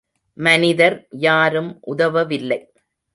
மனிதர் யாரும் உதவவில்லை.